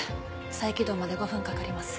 再起動まで５分かかります。